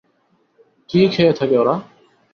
কী খেয়ে থাকে ওরা?